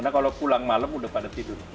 iya kita pulang malam udah pada tidur